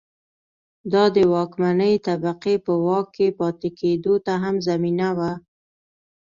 دا د واکمنې طبقې په واک کې پاتې کېدو ته هم زمینه وه.